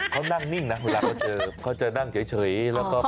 เขานั่งนิ่งนะเวลาเขาเจอเขาจะนั่งเฉยแล้วก็